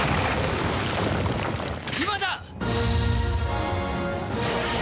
今だ！